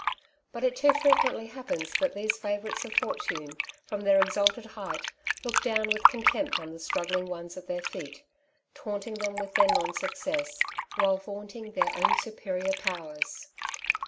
But it too frequently happens that these favourites of fortune, from their exalted height, look down with contempt on the struggling ones at their feet, taunting them with their non success, while vaunt ing their own superior powers.